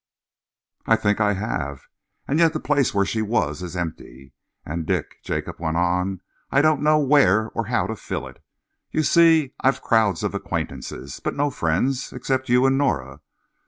"I think I have, and yet the place where she was is empty. And, Dick," Jacob went on, "I don't know where or how to fill it. You see, I've crowds of acquaintances, but no friends except you and Nora.